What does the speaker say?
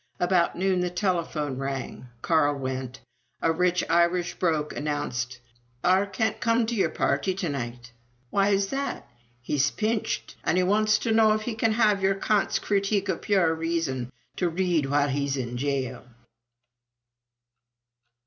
About noon the telephone rang. Carl went. A rich Irish brogue announced: "R can't come to your party to night." "Why is that?" "He's pinched. An' he wants t' know can he have your Kant's 'Critique of Pure Reason' to read while he's in jail."